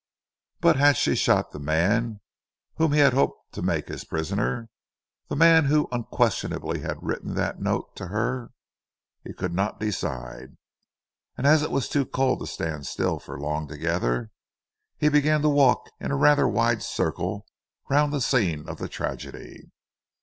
But had she shot the man whom he had hoped to make his prisoner, the man who unquestionably had written that note to her? He could not decide, and as it was too cold to stand still for long together, he began to walk in a rather wide circle round the scene of the tragedy.